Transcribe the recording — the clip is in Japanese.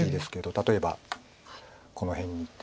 例えばこの辺にいってれば。